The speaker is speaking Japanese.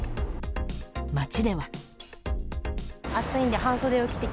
街では。